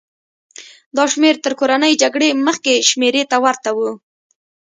دا شمېر تر کورنۍ جګړې مخکې شمېرې ته ورته و.